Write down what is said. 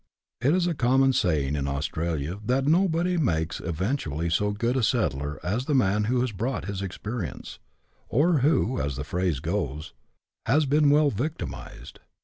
It is a common saying in Australia that nobody makes, event ually, so good a settler as the man who has bought his experience, or who, as the phrase goes, has been well " victimized."